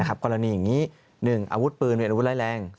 กรณีอย่างนี้หนึ่งอาวุธปืนควรเรียกอาวุธแร้งสอง